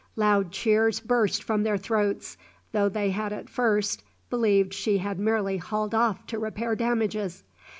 Loud cheers burst from their throats, though they at first believed she had merely hauled off to repair damages.